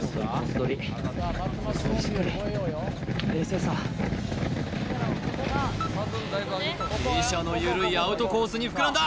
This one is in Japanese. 取りしっかり冷静さ傾斜の緩いアウトコースに膨らんだ